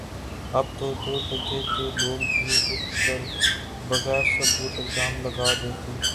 اب تو دو ٹکے کے لوگ بھی اٹھ کر بغیر ثبوت الزام لگا دیتے